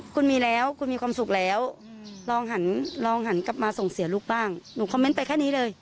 คุณมีแล้วคุณมีความสุขแล้วลองหันลองหันกลับมาส่งเสียลูกบ้างหนูคอมเมนต์ไปแค่นี้เลย